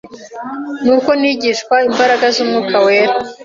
nuko nigishwa imbaraga z’umwuka wera